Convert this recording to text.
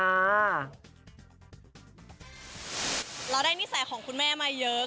เราได้นิสัยของคุณแม่มาเยอะ